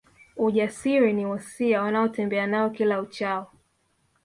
Ujasiri ni wosia wanaotembea nao kila uchao